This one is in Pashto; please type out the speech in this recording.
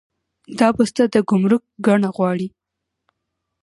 دا بسته د ګمرک ګڼه غواړي.